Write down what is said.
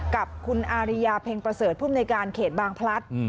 กับคุณอาริยาเพ็งประเสริฐภูมิในการเขตบางพลัด